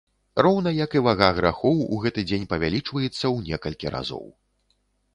Роўна, як і вага грахоў у гэты дзень павялічваецца ў некалькі разоў.